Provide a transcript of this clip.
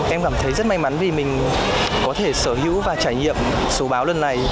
em cảm thấy rất may mắn vì mình có thể sở hữu và trải nghiệm số báo lần này